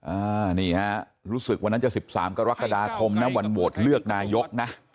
อ่านี่ฮะรู้สึกวันนั้นจะ๑๓กรกฎาคมนะวันโหวตเลือกนายกนะ